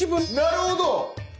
なるほど。